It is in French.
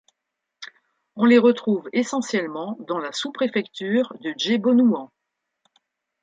On les retrouve essentiellement dans la sous-préfecture de Djébonouan.